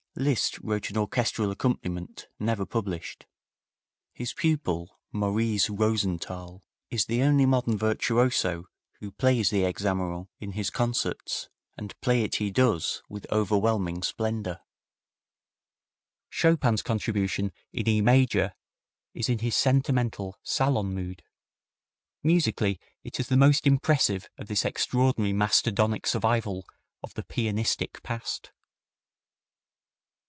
Liszt wrote an orchestral accompaniment, never published. His pupil, Moriz Rosenthal, is the only modern virtuoso who plays the Hexameron in his concerts, and play it he does with overwhelming splendor. Chopin's contribution in E major is in his sentimental, salon mood. Musically, it is the most impressive of this extraordinary mastodonic survival of the "pianistic" past.